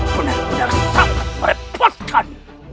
benar benar sangat merepotkan